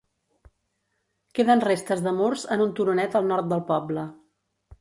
Queden restes de murs en un turonet al nord del poble.